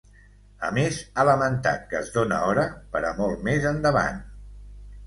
A més ha lamentat que es dóna hora per a molt més endavant.